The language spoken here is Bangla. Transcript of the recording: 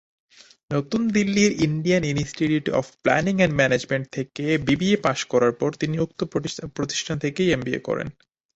নতুন দিল্লির Indian institute of planning and management থেকে বিবিএ পাস করার পর তিনি উক্ত প্রতিষ্ঠান থেকেই এমবিএ করেন।